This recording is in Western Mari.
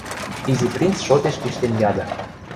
— Изи принц шотеш пиштен яды.